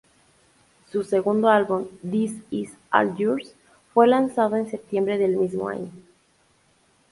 Su segundo álbum, "This Is All Yours", fue lanzado en septiembre del mismo año.